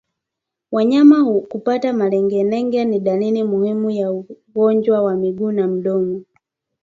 Wanyama kupata malengelenge ni dalili muhimu ya ugonjwa wa miguu na mdomo